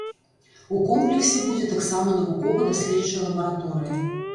У комплексе будзе таксама навукова-даследчая лабараторыя.